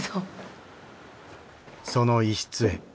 その一室へ。